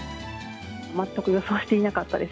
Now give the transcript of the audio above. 全く予想していなかったです。